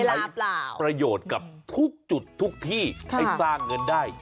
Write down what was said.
ประโยชน์กับทุกจุดทุกที่ให้สร้างเงินได้